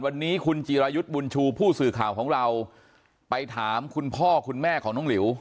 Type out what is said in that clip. วันนี้คุณจิรายุทธ์บุญชูผู้สื่อข่าวของเราไปถามคุณพ่อคุณแม่ของน้องหลิว